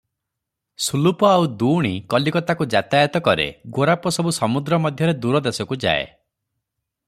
ସୁଲୁପ ଆଉ ଦୁଉଣୀ କଲିକତାକୁ ଯାତାୟତ କରେ, ଗୋରାପ ସବୁ ସମୁଦ୍ର ମଧ୍ୟରେ ଦୂର ଦେଶକୁ ଯାଏ ।